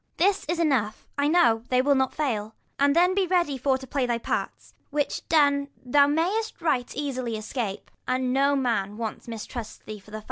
This is enough, I know, they will not fail, And then be ready for to play thy part : 45 Which done, thou may'st right easily escape, And no man once mistrust thee for the fact : Sc.